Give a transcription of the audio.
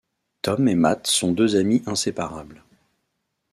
Tom et Matt sont deux amis inséparables.